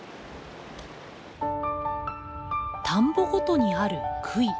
田んぼごとにある杭。